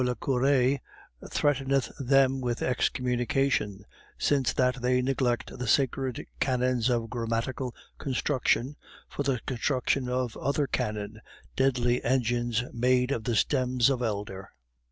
le Cure) threateneth them with excommunication, since that they neglect the sacred canons of grammatical construction for the construction of other canon, deadly engines made of the stems of elder.